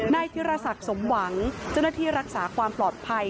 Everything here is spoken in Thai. ธิรศักดิ์สมหวังเจ้าหน้าที่รักษาความปลอดภัย